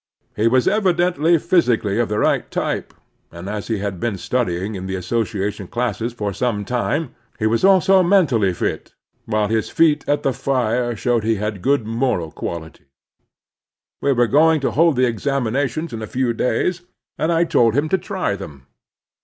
He was evidently physically of the right type, and as he had been stud3ring in the association classes for some time he was also men tally fit, while his feat at the fire showed he had good moral qualities. We were going to hold the examinations in a few days, and I told him to try them.